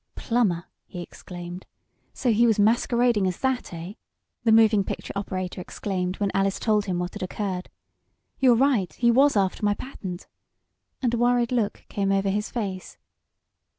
"Plumber!" he exclaimed. "So he was masquerading as that; eh?" the moving picture operator exclaimed when Alice told him what had occurred. "You're right, he was after my patent," and a worried look came over his face.